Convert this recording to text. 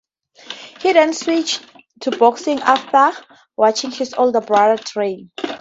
He then switched to boxing after watching his older brother train.